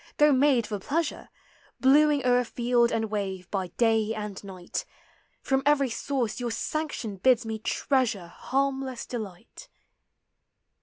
though made for pleasure ; Blooming o'er field and wave, by day and night. From every source your sanction bids me treasure Harmless delight.